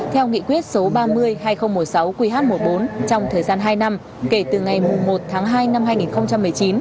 theo nghị quyết số ba mươi hai nghìn một mươi sáu qh một mươi bốn trong thời gian hai năm kể từ ngày một tháng hai năm hai nghìn một mươi chín